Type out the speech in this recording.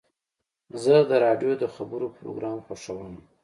زه د راډیو د خبرو پروګرام خوښوم.